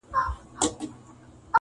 له ګنجي سره را ستون تر خپل دوکان سو!!